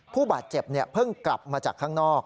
ผู้บาดเจ็บเพิ่งกลับมาจากข้างนอก